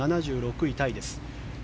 ７６位タイです。